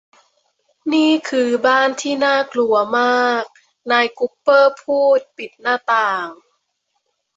นี่คือบ้านที่น่ากลัวมากนายกุปเปอร์พูดปิดหน้าต่าง